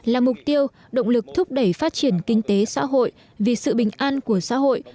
là mục tiêu động lực thúc đẩy phát triển kinh tế xã hội vì sự bình an của xã hội